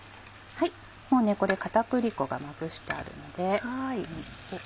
もうこれ片栗粉がまぶしてあるので。